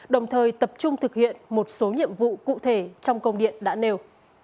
đồng thời tập trung thực hiện một số nhiệm vụ cụ thể trong công điện đã nêu